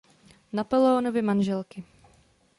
Napoleonovy manželky.